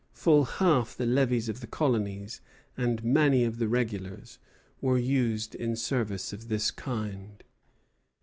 Full half the levies of the colonies, and many of the regulars, were used in service of this kind.